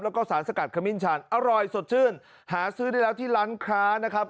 แล้วก็สารสกัดขมิ้นชันอร่อยสดชื่นหาซื้อได้แล้วที่ร้านค้านะครับ